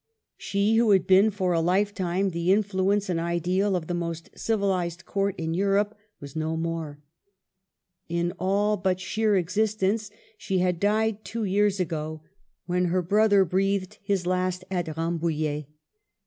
She who had been for a lifetime the influence and ideal of the most civilized court in Europe was no more. In all but sheer existence she had died two years ago, when her brother breathed his last at Rambouillet.